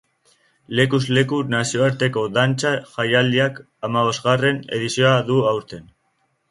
Lekuz leku nazioarteko dantza jaialdiak hamabosgarren edizioa du aurten.